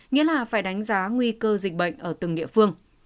nghĩa là phải đánh giá nguy cơ dịch bệnh ở từng địa phương